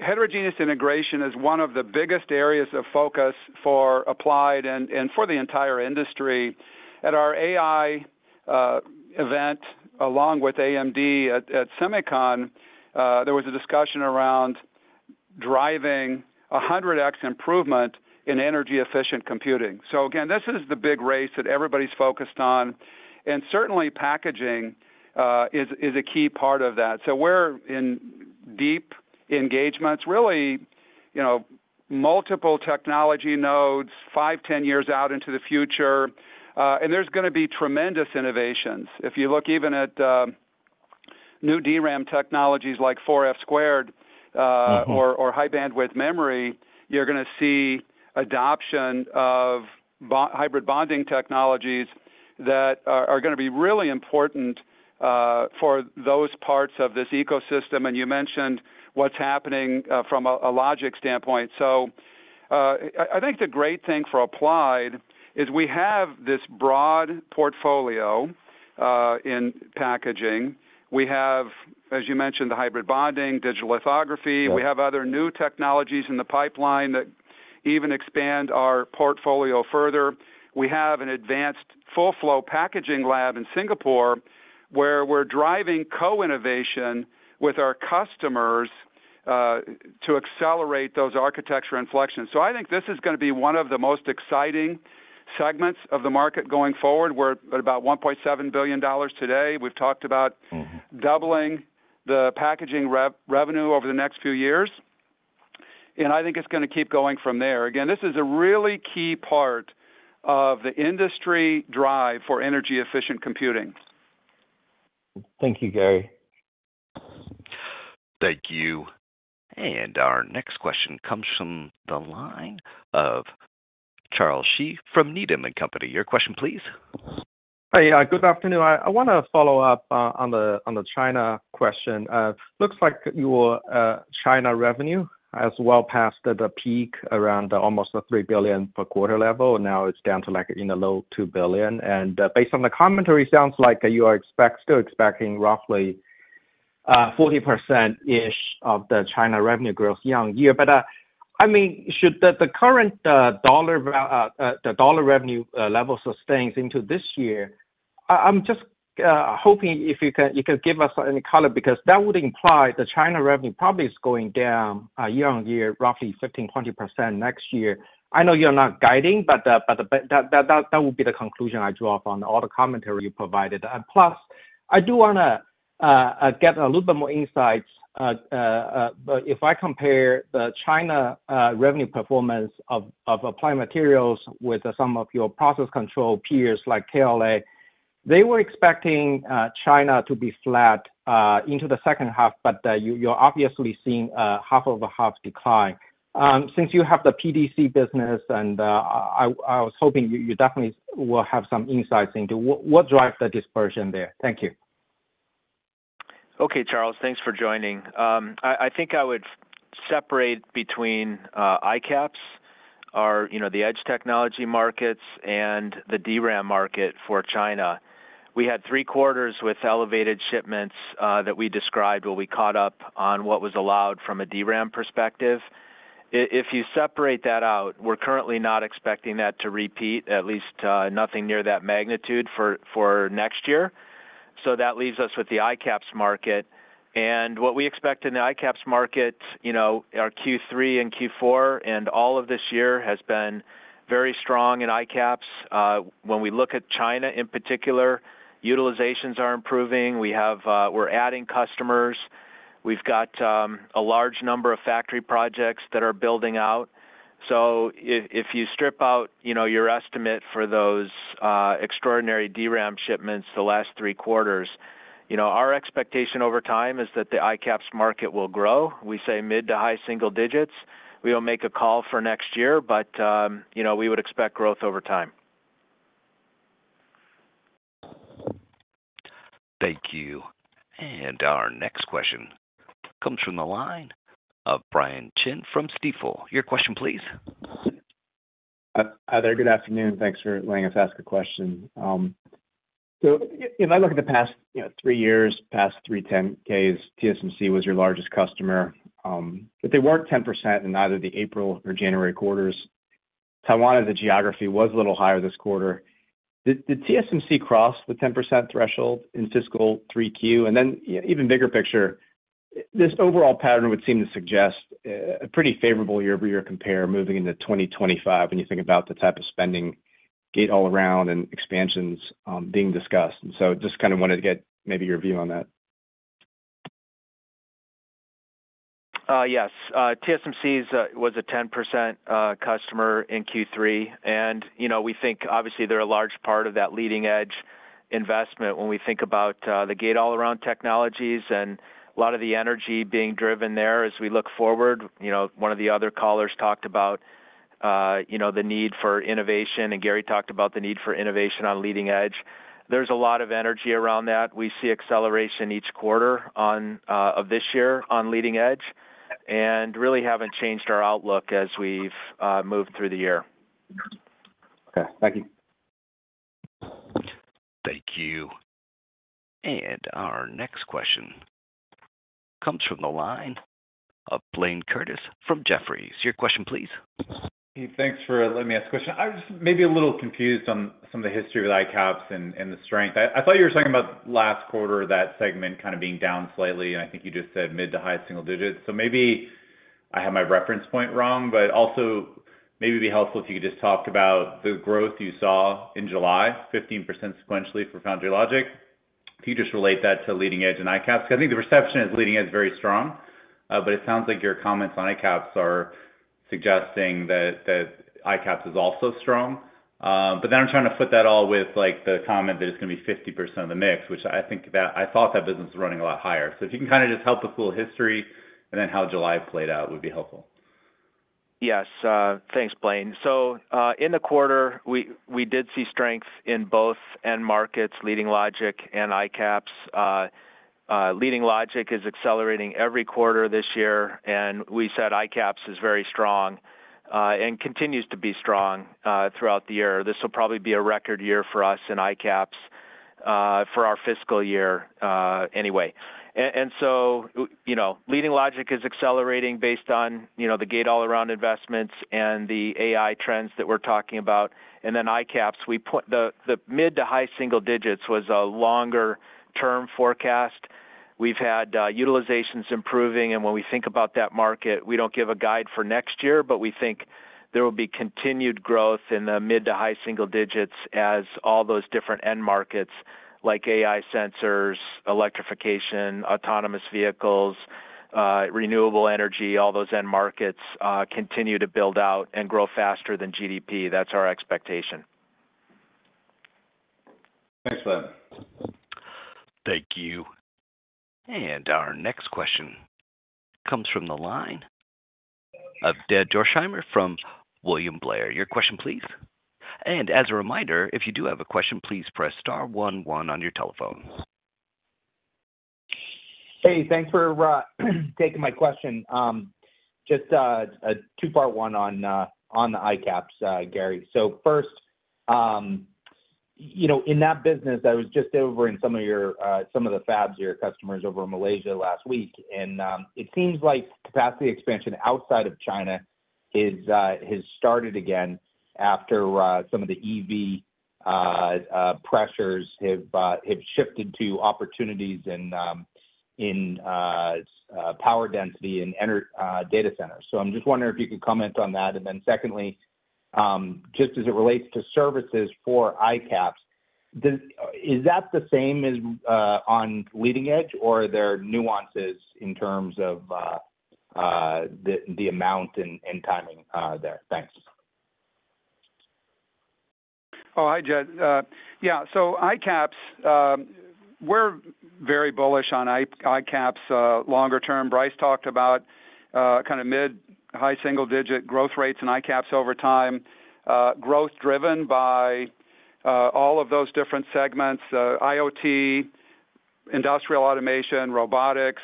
heterogeneous integration is one of the biggest areas of focus for Applied and, and for the entire industry. At our AI event, along with AMD at SEMICON, there was a discussion around driving 100x improvement in energy-efficient computing. So again, this is the big race that everybody's focused on, and certainly packaging is, is a key part of that. So we're in deep engagements, really, you know, multiple technology nodes, 5, 10 years out into the future, and there's gonna be tremendous innovations. If you look even at new DRAM technologies like 4F squared. Mm-hmm. or high-bandwidth memory, you're gonna see adoption of hybrid bonding technologies that are gonna be really important for those parts of this ecosystem, and you mentioned what's happening from a logic standpoint. So, I think the great thing for Applied is we have this broad portfolio in packaging. We have, as you mentioned, the hybrid bonding, digital lithography. Right. We have other new technologies in the pipeline that even expand our portfolio further. We have an advanced full flow packaging lab in Singapore, where we're driving co-innovation with our customers to accelerate those architecture inflections. So I think this is gonna be one of the most exciting segments of the market going forward. We're at about $1.7 billion today. We've talked about- Mm-hmm. -doubling ... the packaging revenue over the next few years, and I think it's gonna keep going from there. Again, this is a really key part of the industry drive for energy-efficient computing. Thank you, Gary. Thank you. Our next question comes from the line of Charles Shi from Needham and Company. Your question, please. Hi, yeah, good afternoon. I wanna follow up on the China question. Looks like your China revenue has well passed the peak around almost the $3 billion per quarter level, and now it's down to, like, the low $2 billion. And based on the commentary, sounds like you are still expecting roughly 40%-ish of the China revenue growth year-on-year. But I mean, should the current dollar revenue level sustain into this year, I'm just hoping if you can, you could give us any color, because that would imply the China revenue probably is going down year-on-year, roughly 15-20% next year. I know you're not guiding, but that would be the conclusion I draw from all the commentary you provided. Plus, I do wanna get a little bit more insights. But if I compare the China revenue performance of Applied Materials with some of your process control peers, like KLA, they were expecting China to be flat into the second half, but you're obviously seeing a half over half decline. Since you have the PDC business, and I was hoping you definitely will have some insights into what drives the dispersion there. Thank you. Okay, Charles. Thanks for joining. I think I would separate between ICAPS or, you know, the edge technology markets and the DRAM market for China. We had three quarters with elevated shipments that we described, where we caught up on what was allowed from a DRAM perspective. If you separate that out, we're currently not expecting that to repeat, at least nothing near that magnitude for next year. So that leaves us with the ICAPS market. What we expect in the ICAPS market, you know, our Q3 and Q4 and all of this year has been very strong in ICAPS. When we look at China, in particular, utilizations are improving. We have. We're adding customers. We've got a large number of factory projects that are building out. So if you strip out, you know, your estimate for those extraordinary DRAM shipments the last three quarters, you know, our expectation over time is that the ICAPS market will grow. We say mid to high single digits. We don't make a call for next year, but, you know, we would expect growth over time. Thank you. And our next question comes from the line of Brian Chin from Stifel. Your question, please. Hi there. Good afternoon. Thanks for letting us ask a question. So if I look at the past, you know, three years, past three 10-Ks, TSMC was your largest customer, but they weren't 10% in either the April or January quarters. Taiwan, as a geography, was a little higher this quarter. Did TSMC cross the 10% threshold in fiscal 3Q? And then, even bigger picture, this overall pattern would seem to suggest a pretty favorable year-over-year compare moving into 2025, when you think about the type of spending gate-all-around and expansions, being discussed. And so just kind of wanted to get maybe your view on that. Yes, TSMC was a 10% customer in Q3, and, you know, we think obviously they're a large part of that leading edge investment when we think about the gate-all-around technologies and a lot of the energy being driven there as we look forward. You know, one of the other callers talked about, you know, the need for innovation, and Gary talked about the need for innovation on leading edge. There's a lot of energy around that. We see acceleration each quarter on of this year on leading edge, and really haven't changed our outlook as we've moved through the year. Okay, thank you. Thank you. And our next question comes from the line of Blayne Curtis from Jefferies. Your question, please. Thanks for letting me ask a question. I was maybe a little confused on some of the history with ICAPS and the strength. I thought you were talking about last quarter, that segment kind of being down slightly, and I think you just said mid- to high-single digits. So maybe I have my reference point wrong, but also maybe it'd be helpful if you could just talk about the growth you saw in July, 15% sequentially for foundry logic. If you just relate that to leading edge and ICAPS, because I think the perception is leading edge is very strong, but it sounds like your comments on ICAPS are suggesting that ICAPS is also strong. But then I'm trying to fit that all with, like, the comment that it's gonna be 50% of the mix, which I think that I thought that business was running a lot higher. So if you can kind of just help with a little history and then how July played out, would be helpful. Yes, thanks, Blayne. So, in the quarter, we did see strength in both end markets, Leading Logic and ICAPS. Leading Logic is accelerating every quarter this year, and we said ICAPS is very strong and continues to be strong throughout the year. This will probably be a record year for us in ICAPS for our fiscal year, anyway. And so, you know, Leading Logic is accelerating based on, you know, the gate-all-around investments and the AI trends that we're talking about. And then ICAPS, we put the mid- to high-single-digits was a longer-term forecast. We've had utilizations improving, and when we think about that market, we don't give a guide for next year, but we think there will be continued growth in the mid to high single digits as all those different end markets, like AI sensors, electrification, autonomous vehicles-... renewable energy, all those end markets, continue to build out and grow faster than GDP. That's our expectation. Thanks, Glenn. Thank you. Our next question comes from the line of Jed Dorsheimer from William Blair. Your question, please. As a reminder, if you do have a question, please press star one one on your telephone. Hey, thanks for taking my question. Just a two-part one on the ICAPS, Gary. So first, you know, in that business, I was just over in some of the fabs, your customers over in Malaysia last week, and it seems like capacity expansion outside of China has started again after some of the EV pressures have shifted to opportunities in power density and energy data centers. So I'm just wondering if you could comment on that. And then secondly, just as it relates to services for ICAPS, is that the same as on leading edge, or are there nuances in terms of the amount and timing there? Thanks. Oh, hi, Jed. Yeah, so ICAPS, we're very bullish on ICAPS longer term. Bryce talked about kind of mid, high single digit growth rates in ICAPS over time. Growth driven by all of those different segments, IoT, industrial automation, robotics,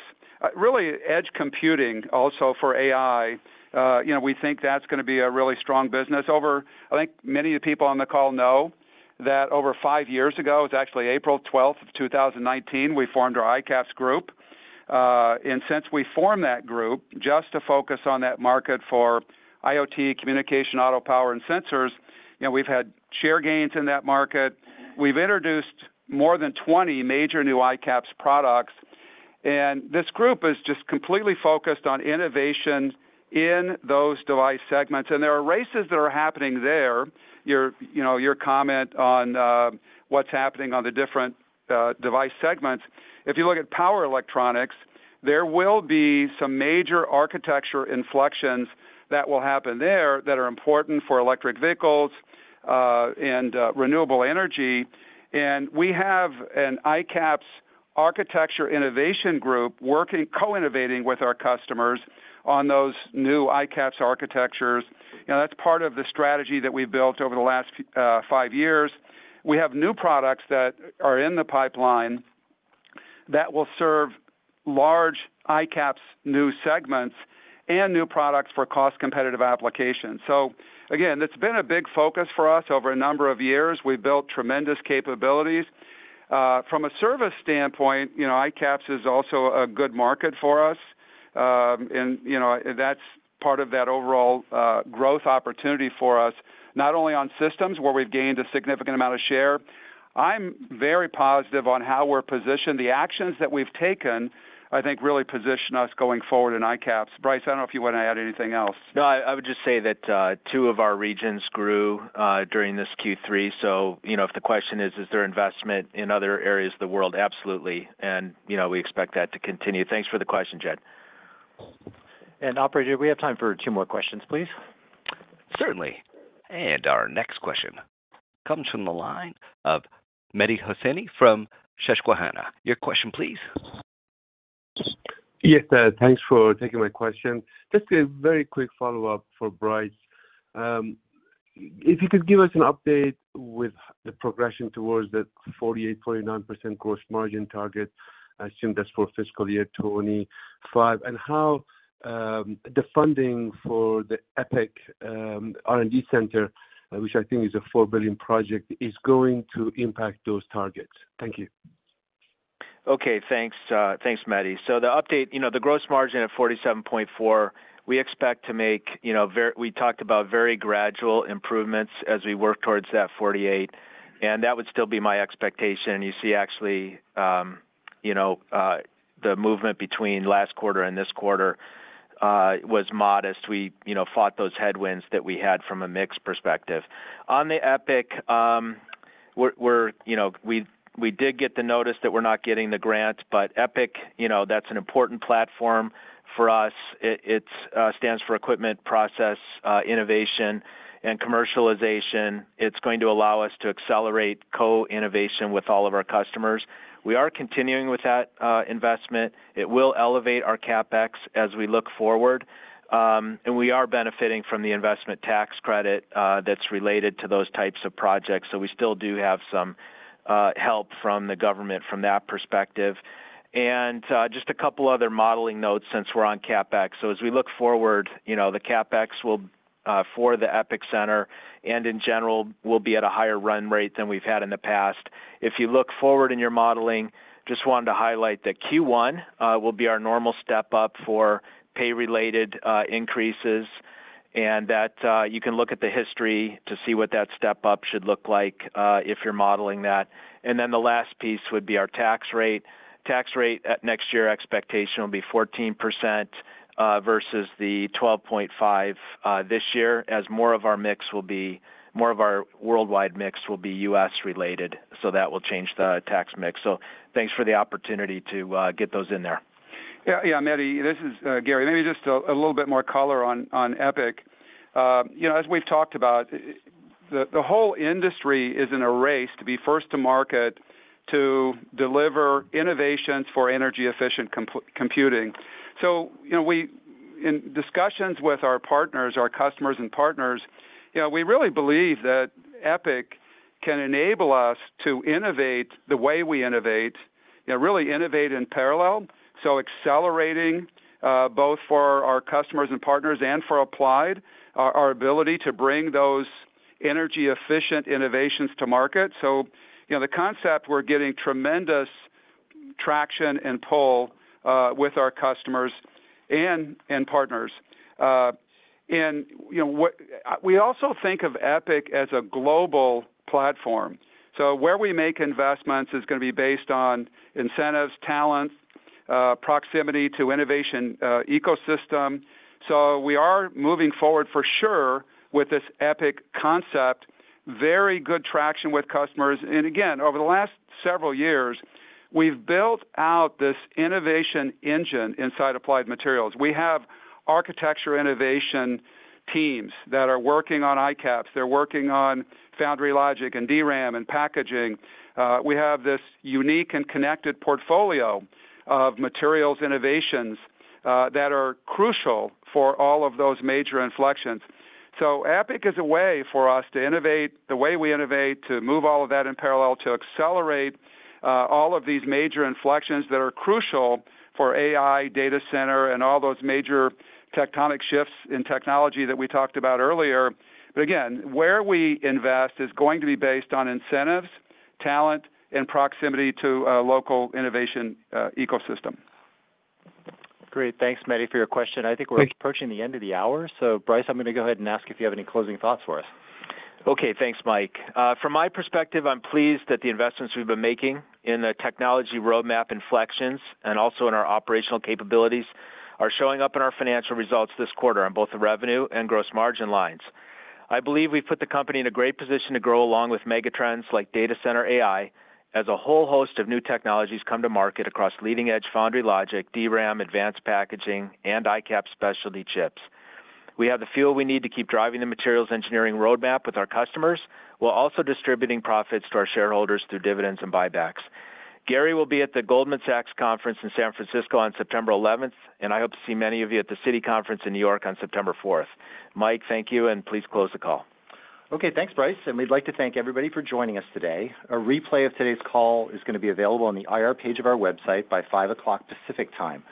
really edge computing, also for AI. You know, we think that's gonna be a really strong business. I think many of the people on the call know that over 5 years ago, it was actually April 12th of 2019, we formed our ICAPS group. And since we formed that group, just to focus on that market for IoT, communication, auto, power, and sensors, you know, we've had share gains in that market. We've introduced more than 20 major new ICAPS products, and this group is just completely focused on innovation in those device segments. And there are races that are happening there. Your, you know, your comment on, what's happening on the different, device segments. If you look at power electronics, there will be some major architecture inflections that will happen there that are important for electric vehicles, and, renewable energy. And we have an ICAPS architecture innovation group working, co-innovating with our customers on those new ICAPS architectures. You know, that's part of the strategy that we've built over the last, 5 years. We have new products that are in the pipeline that will serve large ICAPS new segments and new products for cost-competitive applications. So again, it's been a big focus for us over a number of years. We've built tremendous capabilities. From a service standpoint, you know, ICAPS is also a good market for us. You know, that's part of that overall growth opportunity for us, not only on systems, where we've gained a significant amount of share. I'm very positive on how we're positioned. The actions that we've taken, I think, really position us going forward in ICAPS. Bryce, I don't know if you want to add anything else. No, I would just say that two of our regions grew during this Q3. So, you know, if the question is, is there investment in other areas of the world? Absolutely. And, you know, we expect that to continue. Thanks for the question, Jed. Operator, we have time for two more questions, please. Certainly. Our next question comes from the line of Mehdi Hosseini from Susquehanna. Your question, please. Yes, thanks for taking my question. Just a very quick follow-up for Bryce. If you could give us an update with the progression towards the 48%-49% gross margin target, I assume that's for fiscal year 2025, and how the funding for the EPIC R&D center, which I think is a $4 billion project, is going to impact those targets. Thank you. Okay, thanks. Thanks, Mehdi. So the update, you know, the gross margin at 47.4, we expect to make, you know, we talked about very gradual improvements as we work towards that 48, and that would still be my expectation. You see, actually, you know, the movement between last quarter and this quarter was modest. We, you know, fought those headwinds that we had from a mix perspective. On the EPIC, you know, we did get the notice that we're not getting the grant, but EPIC, you know, that's an important platform for us. It stands for Equipment and Process Innovation and Commercialization. It's going to allow us to accelerate co-innovation with all of our customers. We are continuing with that investment. It will elevate our CapEx as we look forward, and we are benefiting from the investment tax credit, that's related to those types of projects. So we still do have some help from the government from that perspective. And just a couple other modeling notes since we're on CapEx. So as we look forward, you know, the CapEx will for the EPIC Center and in general, will be at a higher run rate than we've had in the past. If you look forward in your modeling, just wanted to highlight that Q1 will be our normal step up for pay-related increases, and that you can look at the history to see what that step up should look like if you're modeling that. And then the last piece would be our tax rate. Tax rate at next year expectation will be 14%, versus the 12.5% this year, as more of our mix will be, more of our worldwide mix will be U.S. related, so that will change the tax mix. So thanks for the opportunity to get those in there.... Yeah, yeah, Mehdi, this is, Gary. Maybe just a little bit more color on EPIC. You know, as we've talked about, the whole industry is in a race to be first to market to deliver innovations for energy efficient computing. So, you know, in discussions with our partners, our customers and partners, you know, we really believe that EPIC can enable us to innovate the way we innovate, you know, really innovate in parallel. So accelerating both for our customers and partners and for Applied, our ability to bring those energy efficient innovations to market. So, you know, the concept, we're getting tremendous traction and pull with our customers and partners. And you know, we also think of EPIC as a global platform. Where we make investments is gonna be based on incentives, talent, proximity to innovation, ecosystem. We are moving forward for sure with this EPIC concept. Very good traction with customers. And again, over the last several years, we've built out this innovation engine inside Applied Materials. We have architecture innovation teams that are working on ICAPS, they're working on foundry logic and DRAM and packaging. We have this unique and connected portfolio of materials innovations that are crucial for all of those major inflections. EPIC is a way for us to innovate the way we innovate, to move all of that in parallel, to accelerate all of these major inflections that are crucial for AI, data center, and all those major tectonic shifts in technology that we talked about earlier. But again, where we invest is going to be based on incentives, talent, and proximity to a local innovation ecosystem. Great. Thanks, Mehdi, for your question. I think we're approaching the end of the hour, so Bryce, I'm gonna go ahead and ask if you have any closing thoughts for us. Okay, thanks, Mike. From my perspective, I'm pleased that the investments we've been making in the technology roadmap inflections and also in our operational capabilities, are showing up in our financial results this quarter on both the revenue and gross margin lines. I believe we've put the company in a great position to grow, along with mega trends like data center AI, as a whole host of new technologies come to market across leading edge foundry logic, DRAM, advanced packaging, and ICAPS specialty chips. We have the fuel we need to keep driving the materials engineering roadmap with our customers, while also distributing profits to our shareholders through dividends and buybacks. Gary will be at the Goldman Sachs conference in San Francisco on September eleventh, and I hope to see many of you at the Citi conference in New York on September fourth. Mike, thank you, and please close the call. Okay, thanks, Bryce, and we'd like to thank everybody for joining us today. A replay of today's call is gonna be available on the IR page of our website by 5:00 P.M. Pacific Time.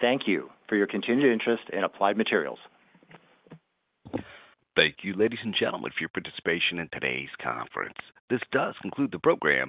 Thank you for your continued interest in Applied Materials. Thank you, ladies and gentlemen, for your participation in today's conference. This does conclude the program.